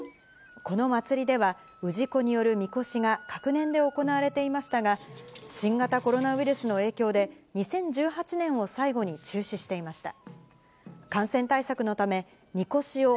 この祭りでは、氏子によるみこしが隔年で行われていましたが、新型コロナウイルスの影響で、２０１８年を最後に中止していました。